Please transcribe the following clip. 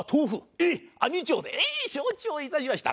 ええ承知をいたしました。